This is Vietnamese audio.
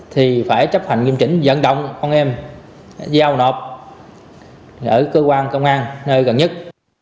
thì phải chấp hành nghiêm chỉnh dẫn động con em giao nộp ở cơ quan công an nơi gần nhất